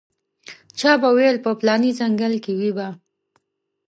چا به ویل په پلاني ځنګل کې وي به.